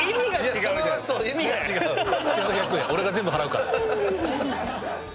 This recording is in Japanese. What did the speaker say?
俺が全部払うから。